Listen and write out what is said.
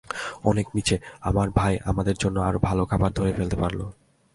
অনেক নীচে, আমার ভাই আমাদের জন্য আরও ভাল খাবার ধরে ফেলতে পারলো।